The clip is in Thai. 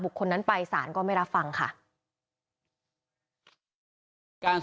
รวมถึงเมื่อวานี้ที่บิ๊กโจ๊กพาไปคุยกับแอมท์ท่านสถานหญิงกลาง